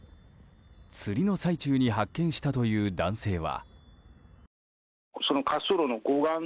釣りの最中に発見したという男性は。